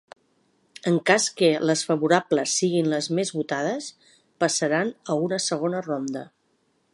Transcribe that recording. En cas que les favorables siguin les més votades, passaran a una segona ronda.